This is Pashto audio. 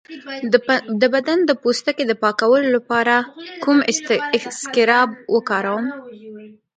د بدن د پوستکي د پاکولو لپاره کوم اسکراب وکاروم؟